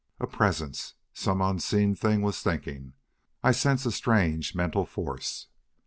"A presence!" some unseen thing was thinking. "I sense a strange mental force!"